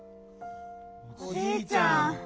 おじいちゃん。